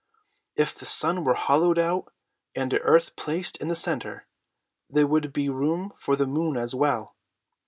If the sun were hollowed out, and the earth placed in the center, there would be room for the moon as well.